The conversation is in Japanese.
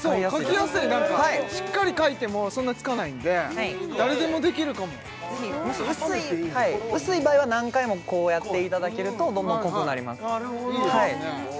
描きやすいなんかしっかり描いてもそんなにつかないんで誰でもできるかももし薄い場合は何回もこうやっていただけるとどんどん濃くなりますいいですね